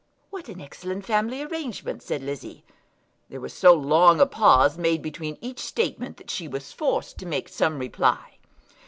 "What an excellent family arrangement," said Lizzie. There was so long a pause made between each statement that she was forced to make some reply.